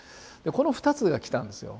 この２つが来たんですよ。